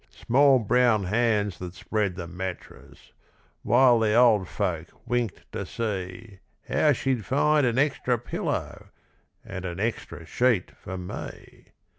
Small brown hands that spread the mattress While the old folk winked to see How she'd find an extra pillow And an extra sheet for me.